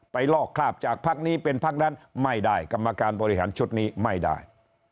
ลอกคราบจากพักนี้เป็นพักนั้นไม่ได้กรรมการบริหารชุดนี้ไม่ได้